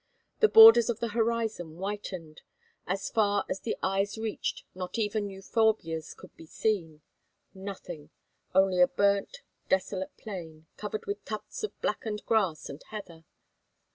The borders of the horizon whitened. As far as the eyes reached not even euphorbias could be seen. Nothing only a burnt, desolate plain, covered with tufts of blackened grass and heather.